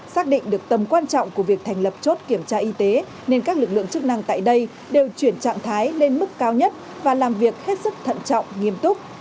xác định được tầm quan trọng của việc thành lập chốt kiểm tra y tế nên các lực lượng chức năng tại đây đều chuyển trạng thái lên mức cao nhất và làm việc hết sức thận trọng nghiêm túc